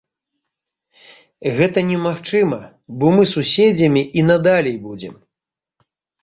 Гэта немагчыма, бо мы суседзямі і надалей будзем.